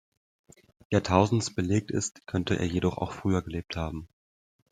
Jahrtausends belegt ist, könnte er jedoch auch früher gelebt haben.